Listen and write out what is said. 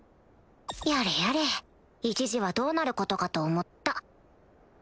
やれやれ一時はどうなることかと思った